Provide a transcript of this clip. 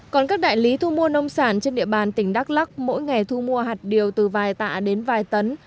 còn các đại lý thu mua nông sản trên địa bàn tỉnh đắk lắc mỗi ngày thu mua hạt điều từ vài tạ đến vài tấn